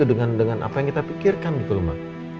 dengan apa yang kita pikirkan gitu ma